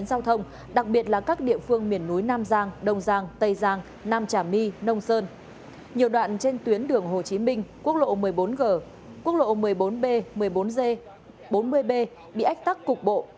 nhiều đoạn trên tuyến đường hồ chí minh quốc lộ một mươi bốn g quốc lộ một mươi bốn b một mươi bốn g bốn mươi b bị ách tắc cục bộ